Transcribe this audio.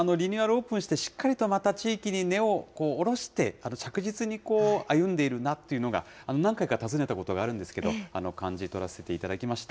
オープンして、しっかりとまた地域に根をおろして、着実にこう、歩んでいるなっていうのが、何回か訪ねたことがあるんですけど、感じ取らせていただきました。